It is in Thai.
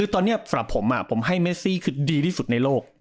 ตอนนี้ฝากผมอะผมให้เมสซี่คือดีที่สุดในโลก